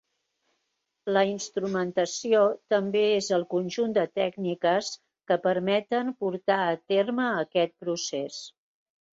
La instrumentació també és el conjunt de tècniques que permeten portar a terme aquest procés.